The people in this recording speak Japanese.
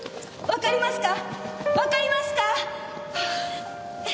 わかりますか？